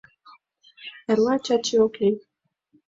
Эрла Чачи ок лий...